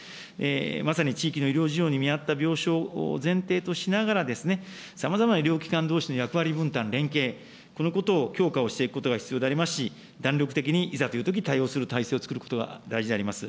まさに地域の医療事情に見合った病床を前提としながら、さまざまな医療機関どうしの役割分担、連携、このことを強化をしていくことが必要でありますし、弾力的にいざというとき、対応する体制を作ることが大事であります。